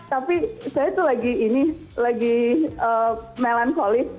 tapi saya itu lagi melankolis